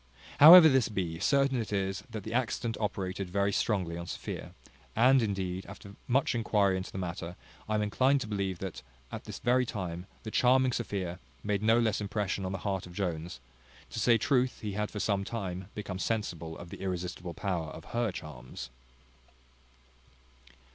However this be, certain it is that the accident operated very strongly on Sophia; and, indeed, after much enquiry into the matter, I am inclined to believe, that, at this very time, the charming Sophia made no less impression on the heart of Jones; to say truth, he had for some time become sensible of the irresistible power of her charms.